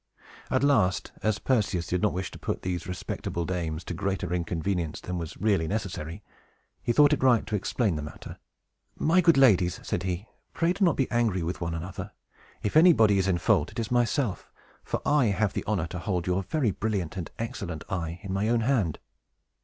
At last, as Perseus did not wish to put these respectable dames to greater inconvenience than was really necessary, he thought it right to explain the matter. "My good ladies," said he, "pray do not be angry with one another. If anybody is in fault, it is myself; for I have the honor to hold your very brilliant and excellent eye in my own hand!"